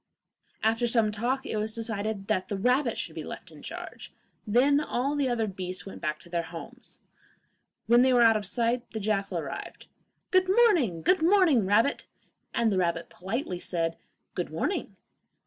After some talk it was decided that the rabbit should be left in charge; then all the other beasts went back to their homes. When they were out of sight the jackal arrived. 'Good morning! Good morning, rabbit!' and the rabbit politely said, 'Good morning!